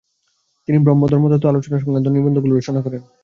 তিনি ব্রহ্ম ধর্মতত্ত্ব ও ধর্মের তুলনামূলক আলোচনা সংক্রান্ত নিবন্ধগুলো রচনা করেন।